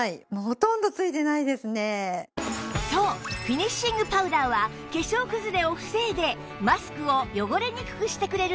そうフィニッシングパウダーは化粧くずれを防いでマスクを汚れにくくしてくれるんです